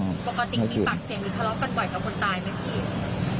ปกติมีปากเสียงหรือทะเลาะกันบ่อยกับคนตายไหมพี่เอก